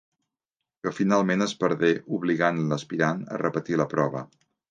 Que finalment es perdé, obligant l'aspirant a repetir la prova.